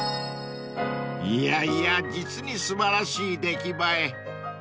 ［いやいや実に素晴らしい出来栄え］